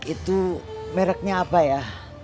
itu mereknya apa ya